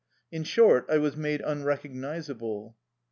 In short, I was made unrecognizable.